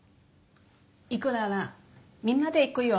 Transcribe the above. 行くならみんなで行こうよ。